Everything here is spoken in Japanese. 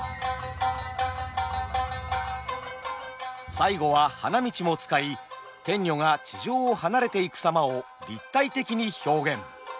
最後は花道も使い天女が地上を離れていく様を立体的に表現。